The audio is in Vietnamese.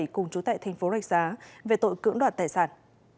cùng chú tại tp rạch giá về tội cưỡng đoạt tài sản